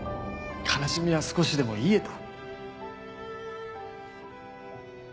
悲しみは少しでも癒えた？